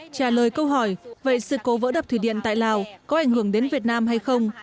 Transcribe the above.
trả lời câu hỏi vậy sự cố vỡ đập thủy điện tại lào có ảnh hưởng đến việt nam hay không